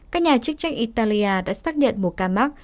các nhà chức trách italia đã xác nhận một ca mắc